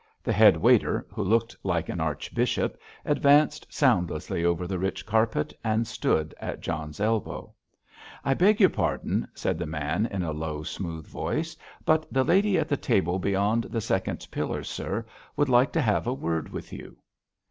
The head waiter, who looked like an archbishop, advanced soundlessly over the rich carpet, and stood at John's elbow. "I beg your pardon," said the man, in a low, smooth voice, "but the lady at the table beyond the second pillar, sir, would like to have a word with you."